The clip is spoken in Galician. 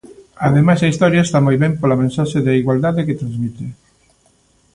Ademais a historia está moi ben pola mensaxe de igualdade que transmite.